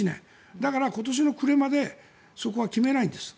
だから今年の暮れまでそこは決めないんです。